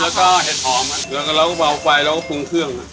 แล้วก็เห็ดหอมแล้วก็เราก็เบาไฟแล้วก็ปรุงเครื่อง